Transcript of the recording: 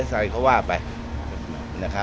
นะครับก็ว่าไปตามกระบวนการ